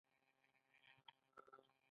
زړه په زړه لار لري.